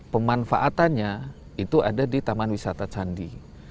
pemanfaatannya itu ada di taman wisata candi